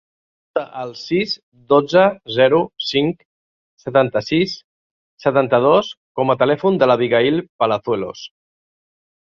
Apunta el sis, dotze, zero, cinc, setanta-sis, setanta-dos com a telèfon de l'Abigaïl Palazuelos.